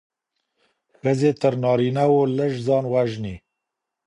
ښځي تر نارينه وو لږ ځان وژني.